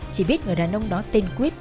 chỉ biết người đàn ông đó tên quyết